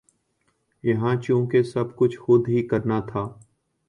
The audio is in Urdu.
یہاں چونکہ سب کچھ خود ہی کرنا تھا